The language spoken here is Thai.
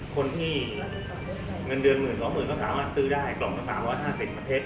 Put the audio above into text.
คนที่เงินเดือนหรือพยาบาลถ้าเหมือนก็สามารถซื้อได้